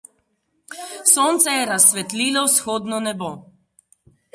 Sonce je razsvetlilo vzhodno nebo.